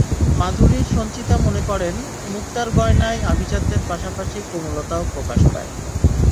মাধুরী সঞ্চিতা মনে করেন, মুক্তার গয়নায় আভিজাত্যের পাশাপাশি কোমলতাও প্রকাশ পায়।